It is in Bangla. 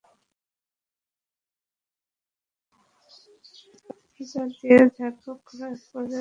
এরপর গ্রাম্য ওঝা দিয়ে ঝাড়ফুঁক করার একপর্যায়ে তার অবস্থা আশঙ্কাজনক হয়ে পড়ে।